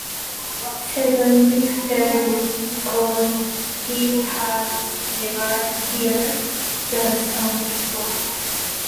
Steven Victor recalled he had never heard the song before.